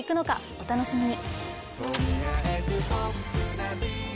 お楽しみに。